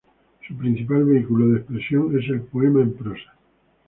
Su principal vehículo de expresión es el poema en prosa.